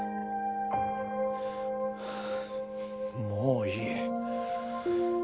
もういい。